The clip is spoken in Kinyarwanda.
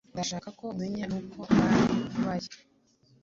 Ndashaka ko umenya uko mbabaye.